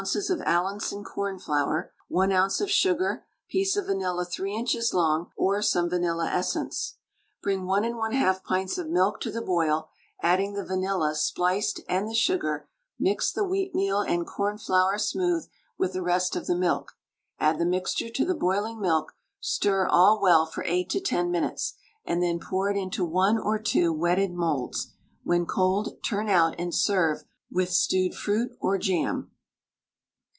of Allinson cornflour, 1 oz. of sugar, piece of vanilla 3 inches long, or some vanilla essence. Bring 1 1/2 pints of milk to the boil, adding the vanilla spliced and the sugar; mix the wheatmeal and cornflour smooth with the rest of the milk, add the mixture to the boiling milk, stir all well for 8 to 10 minutes, and then pour it into one or two wetted moulds; when cold, turn out and serve with stewed fruit or jam.